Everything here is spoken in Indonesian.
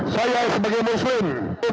saya sebagai muslim